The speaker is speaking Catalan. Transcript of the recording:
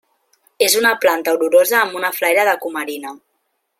És una planta olorosa amb una flaire de cumarina.